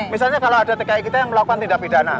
misalnya kalau ada tki kita yang melakukan tindak pidana